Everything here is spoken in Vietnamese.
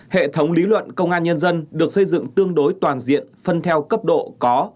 hệ thống lý luận công an nhân dân được xây dựng tương đối toàn diện phân theo cấp độ có